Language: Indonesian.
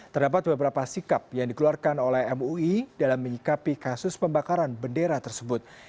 terdapat beberapa sikap yang dikeluarkan oleh mui dalam menyikapi kasus pembakaran bendera tersebut